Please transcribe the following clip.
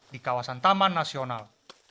di kawasan taman nasional